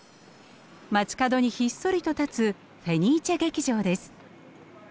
街角にひっそりと立つフェニーチェ劇場です。